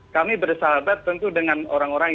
kami bersahabat tentu dengan orang orang